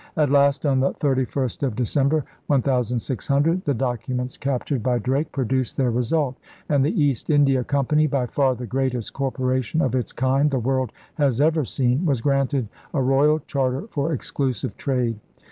At last, on the 31st of December, 1600, the documents captm ed by Drake produced their result, and the East India Company, by far the greatest corporation of its kind the world has ever seen, was granted a royal charter for exclusive trade.